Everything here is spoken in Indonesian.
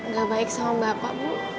gak baik sama bapak bu